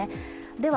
では